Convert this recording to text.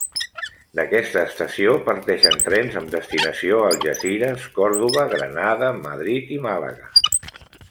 D'aquesta estació parteixen trens amb destinació a Algesires, Còrdova, Granada, Madrid i Màlaga.